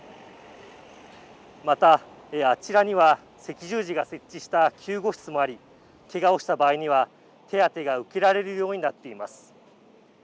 また、あちらには赤十字が設置した救護室もありけがをした場合には手当てが受けられるようになっています。